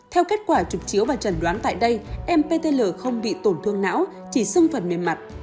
theo kết quả trục chiếu và trần đoán tại đây em ptl không bị tổn thương não chỉ xưng phần mềm mặt